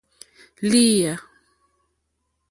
Lééyà.